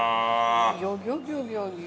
ギョギョギョギョギョ！